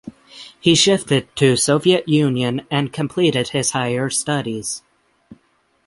He shifted to Soviet Union and completed his higher studies.